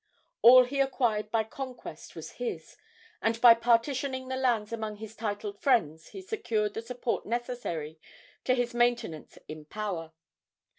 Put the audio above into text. All he acquired by conquest was his, and by partitioning the lands among his titled friends he secured the support necessary to his maintenance in power.